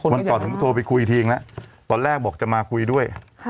วันก่อนผมโทรไปคุยอีกทีแล้วตอนแรกบอกจะมาคุยด้วย